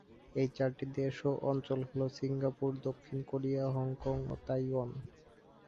এই চারটি দেশ ও অঞ্চল হল সিঙ্গাপুর, দক্ষিণ কোরিয়া, হংকং ও তাইওয়ান।